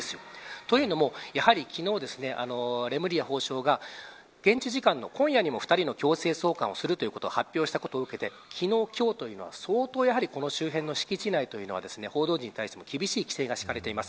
というのも、やはり昨日レムリヤ法相が現地時間の今夜にも、２人の強制送還をするということを発表したことを受けて昨日、今日というのは相当周辺の敷地内というのは報道陣に対して厳しい規制が敷かれてます。